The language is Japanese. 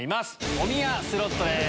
おみやスロットです。